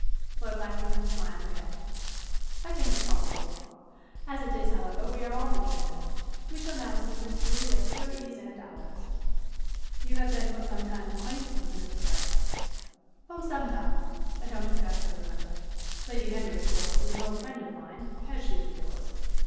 Lord Lackington smiled again. "I think it probable.... As it is, however, we are all the gainers. We shall now see Miss Julie at her ease and ours." "You have been for some time acquainted with Miss Le Breton?" "Oh, some time. I don't exactly remember. Lady Henry, of course, is an old friend of mine, as she is of yours.